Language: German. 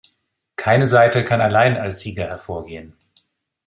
Keine Seite kann allein als Sieger hervorgehen.